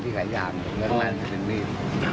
ที่ขายยางนั่นจะเป็นมีด